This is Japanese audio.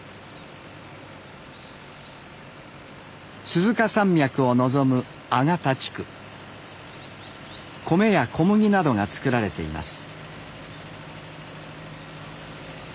鈴鹿山脈を望む米や小麦などが作られています。